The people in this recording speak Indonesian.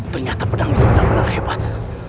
ternyata pedang itu benar benar hebat